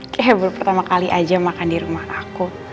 kayak baru pertama kali aja makan di rumah aku